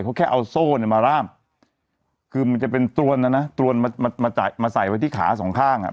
เขาแค่เอาโซ่เนี่ยมาร่ามคือมันจะเป็นตรวนนะนะตรวนมามาใส่ไว้ที่ขาสองข้างอ่ะ